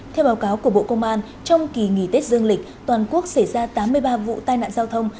theo báo cáo của bộ công an trong kỳ nghỉ tết dương lịch toàn quốc xảy ra tám mươi ba vụ tai nạn giao thông